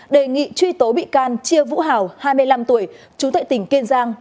đề nghị truy tố bị can chia vũ hảo hai mươi năm tuổi trú tại tỉnh kiên giang